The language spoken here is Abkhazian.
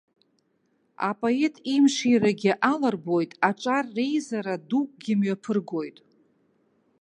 Апоет имширагьы аларбоит, аҿар реизара дукгьы мҩаԥыргоит.